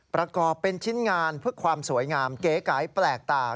ประกอบเป็นชิ้นงานเพื่อความสวยงามเก๋ไก่แปลกตา